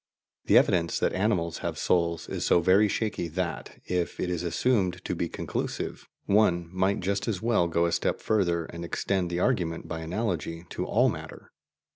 The evidence that animals have souls is so very shaky that, if it is assumed to be conclusive, one might just as well go a step further and extend the argument by analogy to all matter.